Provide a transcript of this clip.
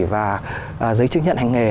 và giấy chứng nhận hành nghề